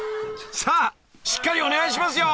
［さあしっかりお願いしますよ］